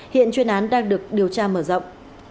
hiện chuyên án đang được điều tra mở rộng